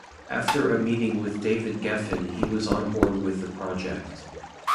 After a meeting with David Geffen he was on board with the project.